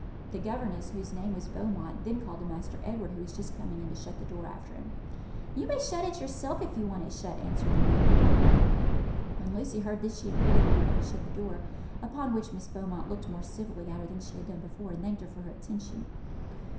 The governess, whose name was Beaumont, then called to Master Edward, who was just coming in, to shut the door after him. "You may shut it yourself, if you want it shut," answered the rude boy. When Lucy heard this she immediately ran and shut the door, upon which Miss Beaumont looked more civilly at her than she had done before, and thanked her for her attention.